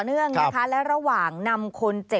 ฟังเสียงอาสามูลละนิทีสยามร่วมใจ